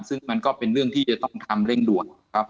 ซึ่งมันก็เป็นเรื่องที่จะต้องทำเร่งด่วนครับ